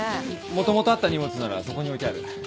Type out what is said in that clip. もともとあった荷物ならそこに置いてある。